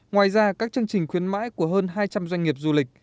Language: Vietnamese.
ngoài ra các chương trình khuyến mãi của hơn hai trăm linh doanh nghiệp du lịch